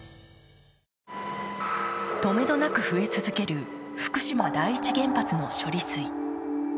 とめどなく増え続ける福島第一原発の処理水。